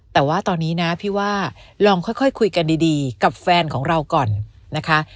แต่ว่าตอนนี้นะพี่ว่าลองค่อยคุยกันดีกับแฟนของเราก่อนนะคะ